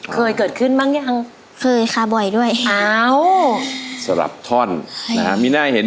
โปรดติดตามต่อไป